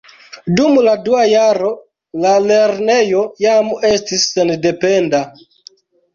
Dum la dua jaro la lernejo jam estis sendependa.